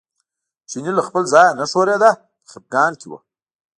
چینی له خپل ځایه نه ښورېده په خپګان کې و.